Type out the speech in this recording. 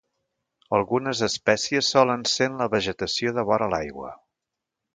Algunes espècies solen ser en la vegetació de vora l'aigua.